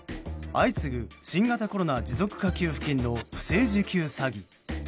相次ぐ新型コロナ持続化給付金の不正受給詐欺。